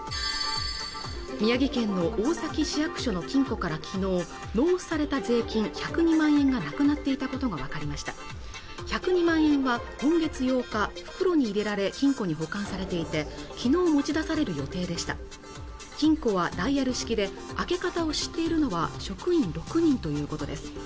宮城県の大崎市役所の金庫からきのう納付された税金１０２万円がなくなっていたことが分かりました１０２万円は今月８日袋に入れられ金庫に保管されていてきのう持ち出される予定でした金庫はダイヤル式で開け方を知っているのは職員６人ということです